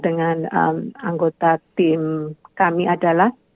dengan anggota tim kami adalah